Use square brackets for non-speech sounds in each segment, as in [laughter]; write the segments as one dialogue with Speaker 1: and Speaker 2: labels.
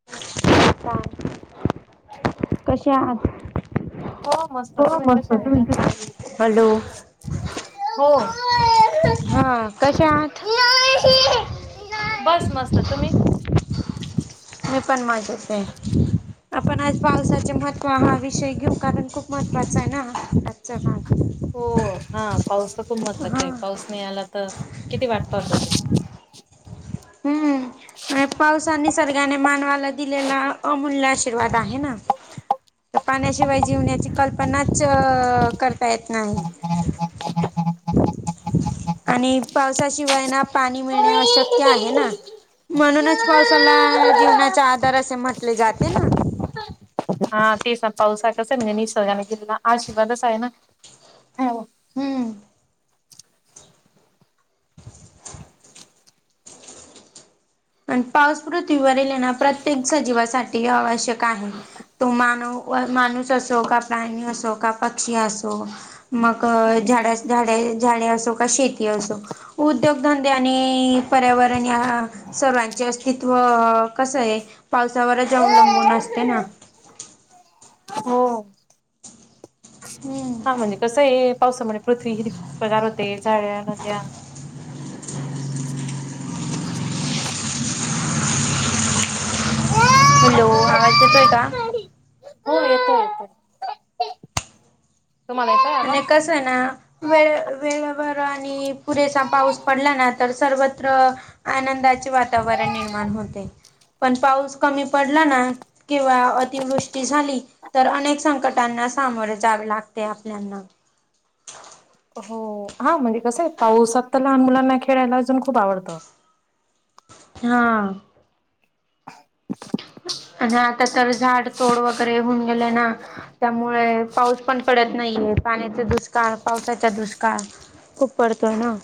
Speaker 1: काय कशा आहात?
Speaker 2: हो मस्त,
Speaker 1: हो
Speaker 2: तुम्ही
Speaker 1: मस्त
Speaker 2: कश्या
Speaker 1: तुम्ही हॅलो
Speaker 2: आहात? हो-
Speaker 1: हा कसे आहात?
Speaker 2: बस मस्त, तुम्ही?
Speaker 1: मी पण मज्जेत आहे.
Speaker 2: [inaudible]
Speaker 1: आपण आज पावसाचे महत्त्व हा विषय घेऊ कारण खूप महत्त्वाचा आहे ना आजचा भाग.
Speaker 2: हो, हा, पाऊस तर खूप महत्त्वाचा
Speaker 1: हा
Speaker 2: आहे. पाऊस नाही आला तर? किती वाट पाहतो [inaudible]
Speaker 1: हम्म आणि पावसाने निसर्गाने मानवाला दिलेला अमूल्य आशीर्वाद आहे ना? तर पाण्या शिवाय जिवण्याची कल्पनाच करता येत नाही.
Speaker 2: [inaudible]
Speaker 1: आणि पावसाशिवाय ना पाणी मिळणे अश्यक य आहे ना, म्हणूनच पावसाला जीवनाचा आधार असे म्हटले जाते ना.
Speaker 2: हा तेस ना, पाऊस हा कस ए म्हणजे निसर्गाने दिलेला आशीर्वादच आहे ना. होव.
Speaker 1: हम्म पण पाऊस पृथ्वीवरील हेना प्रत्येक सजीवासाठी आवश्यक आहे. तो मानू माणूस असो का, प्राणी असो का, पक्षी असो मग झाडेस, झाडे झाडे असो का शेती असो उद्योगधंदे आणि पर्यावरण या सर्वांचे अस्तित्व कस ए पावसावरच अवलंबून असते ना.
Speaker 2: हो हा म्हणजे कसं ए, पावसामुळे पृथ्वी ही हिरवीगार होते झाडे, नद्या
Speaker 1: हॅलो, आवाज येतोय का?
Speaker 2: हो येतोय येतोय, तुम्हाला येतोय? आवाज?
Speaker 1: आणि कसं ए ना वेळे वेळेवर आणि पुरेसा पाऊस पडला ना तर सर्वत्र आनंदाचे वातावरण निर्माण होते पण पाऊस कमी पडला ना किंवा अतिवृष्टी झाली तर अनेक संकटांना सामोर जावे लागते आपल्याना
Speaker 2: हो हा म्हणजे कसं आहे पाऊसात तर लहान मुलांना खेळायला अजून खूप आवडतं.
Speaker 1: हा
Speaker 2: [inaudible]
Speaker 1: आणि आता तर झाड तोड वगैरे होऊन गेले ना. त्यामुळे पाऊस पण पडत नाहीये, पाण्याचा दुष्काळ पावसाचा दुष्काळ. खूप पडतोय ना.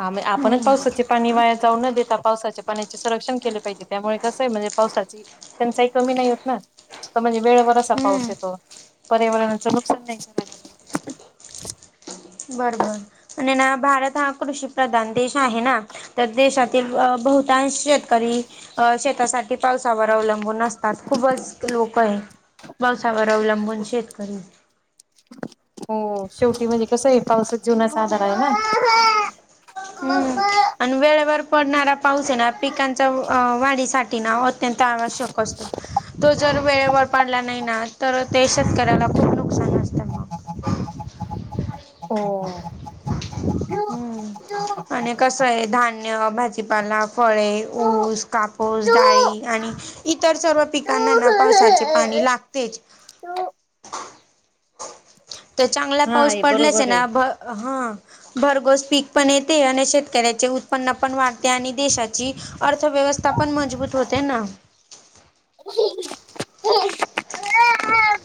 Speaker 2: हा म आपणच पाऊसाचे - पाणी वाया जाऊ न देता पावसाचे पाण्याचे संरक्षण केले पाहिजे, त्यामुळे कसय म्हणजे पावसाची त्यांचाही कमी नाही होत ना का म्हणजे वेळेवर चा
Speaker 1: हम्म
Speaker 2: पाऊस येतो, पर्यावरणाच नुकसान नाही करायला पाहिजे.
Speaker 1: बरोबर, आणि ना भारत हा कृषी प्रधान देश आहे ना. तर देशातील बहुतांश शेतकरी अ शेतासाठी पावसावर अवलंबून असतात खूपच लोक आहे. पावसावर अवलंबून शेतकरी
Speaker 2: हो शेवटी म्हणजे कसं आहे पाऊसच जीवनाचा आधार आहे ना.
Speaker 1: हम्म आणि वेळेवर पडणारा पाऊस आहे ना पिकांच्या वाढीसाठी ना अत्यंत आवश्यक असतो. तो जर वेळेवर पाडला नाही ना, तर ते शेतकऱ्याला खुप
Speaker 2: हो
Speaker 1: हम्म आणि कस आहे धान्य, भाजीपाला, फळे, ऊस कापूस, डाळी
Speaker 2: हा
Speaker 1: आणि इतर सर्व पिकांना ना पावसाचे पाणी लागतेच.
Speaker 2: हो
Speaker 1: तर चांगला पाऊस पडलाच आहे ना. भ हं भरघोस पीक पण येते, आणि शेतकऱ्याचे उत्पन्न पण वाढते, आणि देशाची अर्थव्यवस्था पण मजबूत होते ना.
Speaker 2: [unintelligible]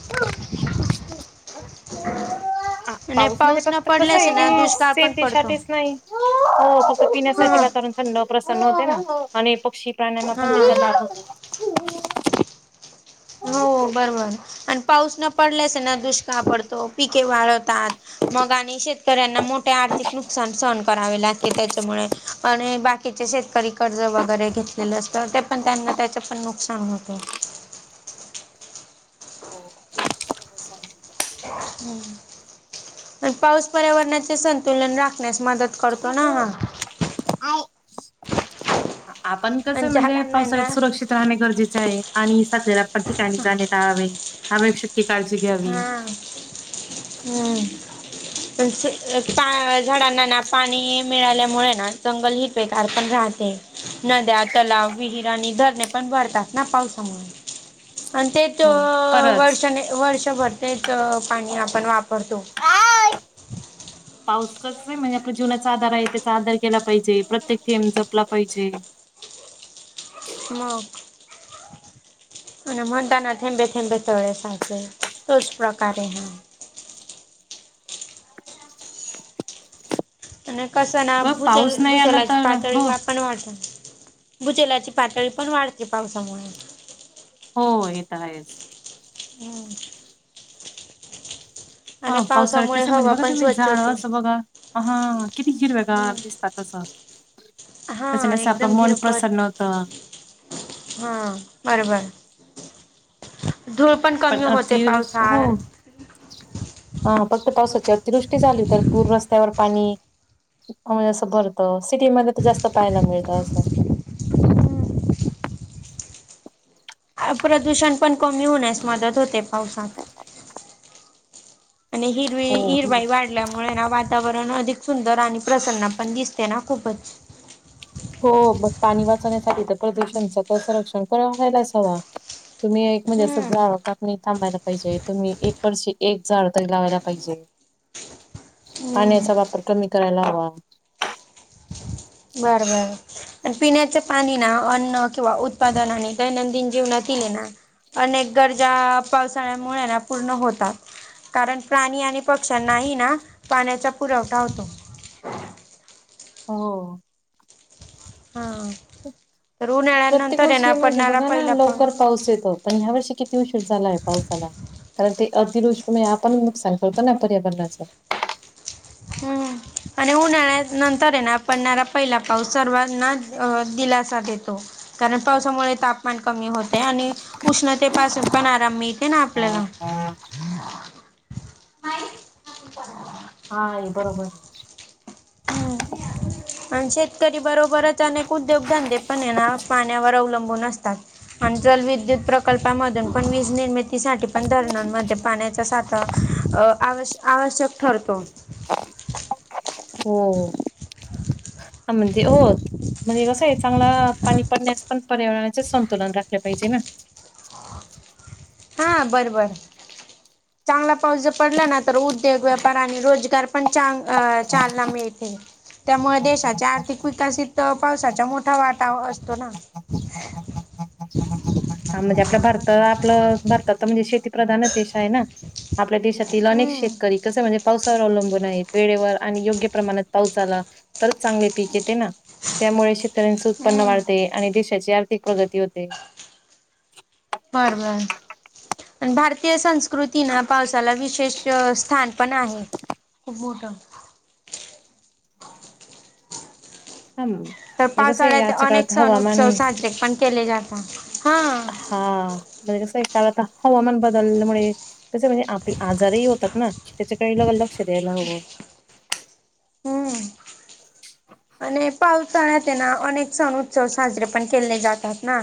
Speaker 1: [inaudible]
Speaker 2: आ
Speaker 1: आणि
Speaker 2: पाऊस म्हणजे
Speaker 1: न
Speaker 2: फक्त कस
Speaker 1: पडल्यास
Speaker 2: आहे
Speaker 1: ना
Speaker 2: की
Speaker 1: दुष्काळ पण पडतो.
Speaker 2: सेतीसाठीच नाही हो फक्त पिण्यासाठी
Speaker 1: हा
Speaker 2: वातावरण थंड प्रसन्न होते ना, आणि पक्षी प्राण्यांना पण
Speaker 1: हा.
Speaker 2: त्याचा लाभ होतो.
Speaker 1: हो बरोबर, आणि पाऊस न पडल्यास ना दुष्काळ पडतो पिके वाळतात. मग आणि शेतकऱ्यांना मोठे आर्थिक नुकसान सहन करावे लागते त्याच्यामुळे आणि बा कीचे शेतकरी कर्ज वगैरे घेतलेलं असतं, ते पण त्यांना त्याचपण नुकसान होतं.
Speaker 2: हो [unintelligible]
Speaker 1: हम्म आणि पाऊस पर्यावरणाचे संतुलन राखण्यास मदत करतो ना हा.
Speaker 2: आपण कस
Speaker 1: आणि
Speaker 2: आहे म्हणजे
Speaker 1: झाडांना आहे ना
Speaker 2: पावसाळ्यात सुरक्षित- राहणे गरजेचे आहे, आणि सध्याला [unintelligible] पण ठिकाणी जाणे टाळावे आवश्यक ती काळजी घ्यावी.
Speaker 1: हम् झाडांना ना पाणी मिळाल्यामुळे ना जंगल [unintelligible] राहते. नद्या, तलाव, विहिर आणि धरणे पण भरतात ना पावसामुळे आणि तेच
Speaker 2: हो खरंच.
Speaker 1: वर्षाने वर्षभर तेच पाणी आपण वापरतो
Speaker 2: हाव पाऊस कस आहे म्हणजे आपल्या जीवनाचा आधार आहे त्याचा आदर केला पाहिजे प्रत्येक थेंब जपला पाहिजे
Speaker 1: मग आणि म्हणता ना थेंबे, थेंबे तळे साचे तोच प्रकारे आणि कसना
Speaker 2: व
Speaker 1: भुजल
Speaker 2: पाऊस नाही आला
Speaker 1: भुजलाची
Speaker 2: तर
Speaker 1: पाातळी
Speaker 2: हो
Speaker 1: वाढ पण वाढत भुजलाची पातळी पण वाढते पावसामुळे
Speaker 2: हो येत आहेस
Speaker 1: हम आणि
Speaker 2: हा पावसाळ्यात
Speaker 1: पावसामुळे
Speaker 2: कस म्हणजे
Speaker 1: हवा
Speaker 2: बघा
Speaker 1: पण
Speaker 2: तुम्ही
Speaker 1: स्वच्छ
Speaker 2: झाडं
Speaker 1: होते
Speaker 2: असं बघा हा किती
Speaker 1: हम्म.
Speaker 2: हिरव्यागार दिसतात असं
Speaker 1: हा
Speaker 2: त्याच्यानी
Speaker 1: एकदम
Speaker 2: आपलं मन प्रसन्न
Speaker 1: हिरपट
Speaker 2: होत
Speaker 1: हा बर, बर धूळ पण कमी होते पावसात
Speaker 2: हा फक्त पावसाच्या अतिवृष्टी झाली तर पूर रस्त्यावर पाणी पूर्ण म्हणजे असं भरतं सिटीमध्ये तर जास्त पाहायला मिळतं असं
Speaker 1: प्रदूषण पण कमी होण्यास मदत होते पावसात आणि ही
Speaker 2: हो.
Speaker 1: हरवाई वाढल्यामुळे ना वातावरण अधिक सुंदर आणि प्रसन्न पण दिसते ना खूपच
Speaker 2: हो मग पाणी वाचवण्यासाठी तर प्रदूषणच तसं रक्षण क्हायला अस हवा तुम्ही एक म्हणजे असं
Speaker 1: हम्म.
Speaker 2: झाड कापणी थांबायला पाहिजे तुम्ही एक वर्षी एक झाड तरी लावायला पाहिजे
Speaker 1: हम्म
Speaker 2: पाण्याचा वापर कमी करायला हवा
Speaker 1: बर, बर आणि पिण्याच्या पाणी ना अन्न किंवा उत्पादनाने दैनंदिन जीवनात केलेना अनेक गरजा पावसाळ्यामुळे ना पूर्ण होतात कारण प्राणी आणि पक्ष्यांनाही ना पाण्याचा पुरवठा होतो
Speaker 2: हो
Speaker 1: हा तर
Speaker 2: प्रत्येक
Speaker 1: उन्हाळ्यानंतर आहे ना
Speaker 2: वर्षी म्हणजे
Speaker 1: पडणारा
Speaker 2: बघा ना
Speaker 1: पहिला
Speaker 2: लवकर पाऊस येतो पण ह्या वर्षी किती उशीर झालाय पावसाला कारण ते अगदी दोष्टी म आपण म सांगळतो ना पर्यावरणाच
Speaker 1: हम्म आणि उन्हाळ्या नंतर ना पडणारा पहिला पाऊस सर्वांनाच अ दिलासा देतो कारण पावसामुळे तापमान कमी होते आणि उष्णतेपासून पण आराम मिळते ना आपल्याला
Speaker 2: हा हा ये बरोबर आहे
Speaker 1: ह आणि शेतकरी बरोबरच अनेक उद्योगधंदे पण येना पाण्यावर अवलंबून असतात आणि जलविद्युत प्रकल्पा मधून पण वीज निर्मितीसाठी पण धरणांमध्ये पाण्याच्या सा आता आवश आवश्यक ठरतो
Speaker 2: हो म्हणजे होत म्हणजे कसं आहे चांगला पाणी पडण्यास पण पर्यावरणाचे संतुलन राखले पाहिजे ना
Speaker 1: हां बरं, बरं चांगला पाऊस ज पडला ना तर उद्योग व्यापार आणि रोजगार पण चांग चालना मिळते त्यामुळे देशाच्या आर्थिक विकासित पावसाचा मोठा वाटा असतो ना
Speaker 2: हा म्हणजे आपलं भारत आपलं भारतात म्हणजे शेती प्रधानच देश आहे ना आपल्या देशातील अनेक
Speaker 1: हम्म
Speaker 2: शेतकरी कसे म्हणजे पाऊस वर अवलंबून आहेत, वेळेवर आणि योग्य प्रमाणात पाऊस आला तरच चांगले पीक येते ना? त्यामुळे शेतकऱ्यांचे उत्पन्न
Speaker 1: हम्म
Speaker 2: वाढते आणि देशाची आर्थिक प्रगती होते.
Speaker 1: बर बर आणि भारतीय संस्कृती ना पावसाला विशेष स्थान. पण आहे खूप मोठं.
Speaker 2: हम.
Speaker 1: तर पावसाळ्यात अनेक सण, उत्सव साजरे पण केले जातात, हां.
Speaker 2: हा म्हणजे कसं कालता हवामान बदलल्यामुळे. कसं म्हणजे आप-आजारही होतात ना, त्याच्याकडे डबल लक्ष द्यायला हवं.
Speaker 1: हम्म. आणि पावसाळ्यात ये ना अनेक सण, उत्सव साजरे पण केले जातात ना.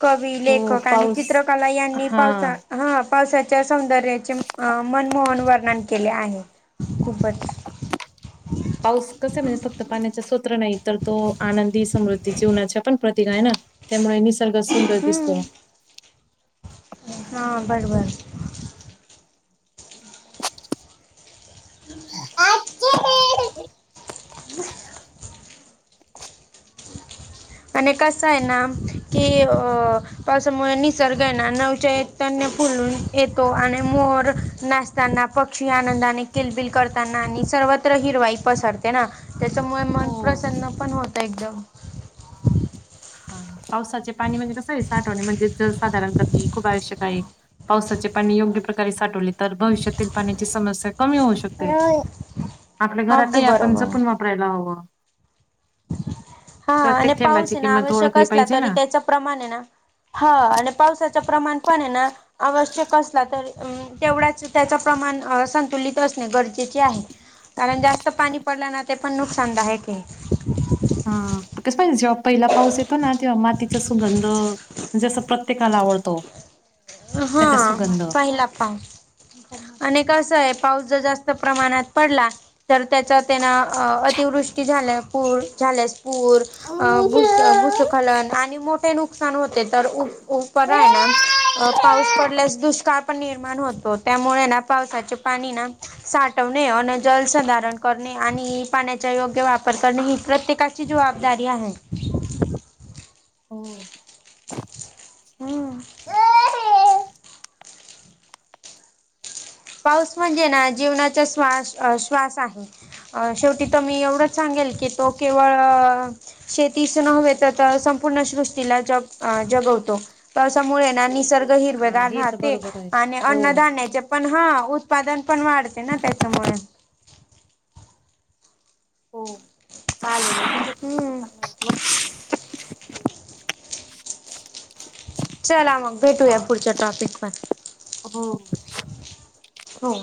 Speaker 1: कवी,
Speaker 2: हो
Speaker 1: लेखक आणि
Speaker 2: पाऊस
Speaker 1: चित्रकला यांनी
Speaker 2: हा
Speaker 1: पावसा ह पावसा च्या सौंदर्याचे मनमोहन वर्णन केले आहे, खूपच.
Speaker 2: [inaudible] पाऊस कसा म्हणजे फक्त पाण्याच्या सोत्र नाही तर तो आनंदी समृद्धी जीवनाचे पण प्रतीक आहे ना? त्यामुळे निसर्ग सुंदर दिसतो.
Speaker 1: हां बर बर. हम्.
Speaker 2: हं हं.
Speaker 1: [inaudible]
Speaker 2: [inaudible]
Speaker 1: आणि कसं ना की अ पाऊसा मुळे निसर्ग ये ना नव चैतन्य फुलून येतो आणि मोर नाच ताना, पक्षी आनंदाने किलबिल करताना आणि सर्वत्र हिरवाई पसरते ना? त्याच्यामुळे मन
Speaker 2: हो
Speaker 1: प्रसन्न पण होतं एकदम.
Speaker 2: ह पावसाचे पाणी म्हणजे कसं ये साठवणे म्हणजे जल संधरण करणे, खूप आवश्यक आहे. पावसाचे पाणी योग्य प्रकारे साठवले तर, भविष्यातील पाण्याची समस्या कमी होऊ शकते. आपल्या
Speaker 1: अगदी
Speaker 2: घरातही आपण
Speaker 1: बरोबर.
Speaker 2: जपून वापरायला हवं.
Speaker 1: हां आणि
Speaker 2: प्रत्येक
Speaker 1: पाऊस
Speaker 2: थेंबाची
Speaker 1: ना
Speaker 2: किंमत
Speaker 1: आवश्यक
Speaker 2: ओळखली
Speaker 1: असला
Speaker 2: पाहिजे
Speaker 1: तरी,
Speaker 2: ना.
Speaker 1: त्याचे प्रमाण ने ना हां आन पावसाच प्रमाण पण ना, आवश्यक असला तर अ तेवढाच त्याच प्रमाण अ संतुलित असण गरजेचे आहे. कारण जास्त पाणी पडला ना, ते पण नुकसानदायक ये.
Speaker 2: हां कस पाहिजे जेव्हा पहिला पाऊस येतो ना, तेव्हा माती सुगंध म्हणजे असं प्रत्येकाला आवडतो. त्याचा
Speaker 1: हां
Speaker 2: सुगंध
Speaker 1: पाहिला पा आणि कसं ए पाऊस जर जास्त प्रमाणात पडला तर त्याच्यातना अतिवृष्टी झाल्या पू झाल्या पूर अ भूस-भूस्खलन आणि मोठे नुकसान होते तर उब उपर ये ना अ पाऊस
Speaker 2: हो.
Speaker 1: पडल्यास दुष्काळ पण निर्माण होतो, त्यामुळे ना पावसाचे पाणी ना साठवणे, अनं जल संधारण करणे आणि पाण्याचा योग्य वापर करणे हि प्रत्येका ची जवाबदारी आहे.
Speaker 2: हो.
Speaker 1: हम्. पाऊस म्हणजे ना, जीवनाचा श्वास-अ-श्वास आहे. अ शेवटी तर मी एवढं सांगेल की, तो केवळ अ शेतीस नव तर तर संपूर्ण सृष्टीला ज, जगवतो. पाऊसामुळे ना निसर्ग
Speaker 2: हा
Speaker 1: हिरवेगार
Speaker 2: हे तर
Speaker 1: राहते
Speaker 2: बरोबर आहे.
Speaker 1: आणि
Speaker 2: हो
Speaker 1: अन्नधान्याचे पण हा उत्पादन पण वाढते ना त्याच्यामुळे.
Speaker 2: चाले.
Speaker 1: हम. चला मग भेटूया, पुढच्या टॉपिकवरं,
Speaker 2: हो.
Speaker 1: हो.